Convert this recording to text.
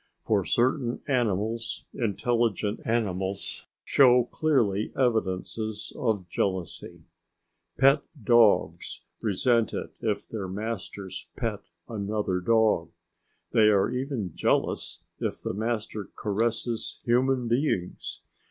For certain animals, intelligent animals, show clearly evidences of jealousy. Pet dogs resent it if their masters pet another dog. They are even jealous if the master caresses human beings.